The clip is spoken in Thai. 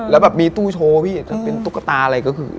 แล้วแบบมีตู้โชว์พี่จะเป็นตุ๊กตาอะไรก็คือ